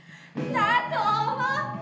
「だと思った！